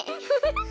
フフフ。